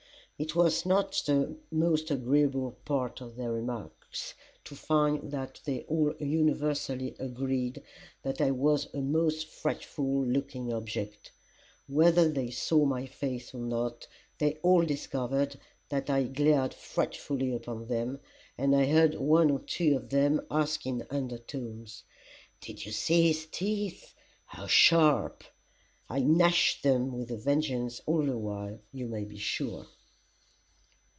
It was not the most agreeable part of their remarks, to find that they all universally agreed that I was a most frightful looking object. Whether they saw my face or not, they all discovered that I glared frightfully upon them, and I heard one or two of them ask in under tones, "did you see his teeth how sharp!" I gnashed them with a vengeance all the while, you may be sure.